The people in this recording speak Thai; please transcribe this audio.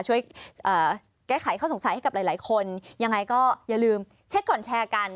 ช่วยแก้ไขข้อสงสัยให้กับหลายหลายคนยังไงก็อย่าลืมเช็คก่อนแชร์กัน